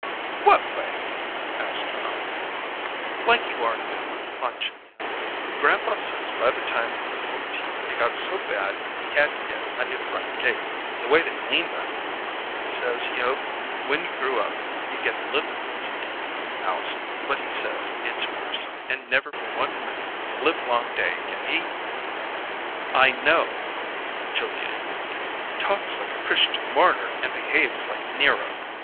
"What way?" asked her aunt. "Like you are now, Aunt Julia. Grandpa says by the time you were fourteen it got so bad he had to get a new front gate, the way they leaned on it. He says he hoped when you grew up he'd get a little peace in his own house, but he says it's worse, and never for one minute the livelong day can he " "I know," Julia interrupted. "He talks like a Christian Martyr and behaves like Nero.